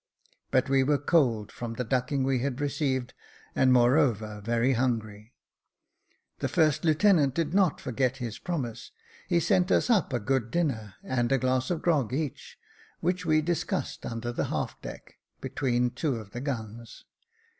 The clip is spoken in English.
But we were cold from the ducking we had received, and moreover, very hungry. The first lieutenant did not forget his promise : he sent us up a good dinner, and a glass of grog each, which we dis cussed under the half deck, between two of the guns.